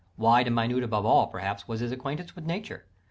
Wide and minute above all, perhaps, was his acquaintance with Nature.